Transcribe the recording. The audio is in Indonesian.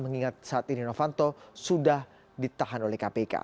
mengingat saat ini novanto sudah ditahan oleh kpk